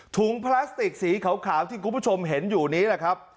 พลาสติกสีขาวที่คุณผู้ชมเห็นอยู่นี้แหละครับ